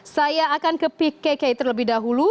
saya akan ke pkk terlebih dahulu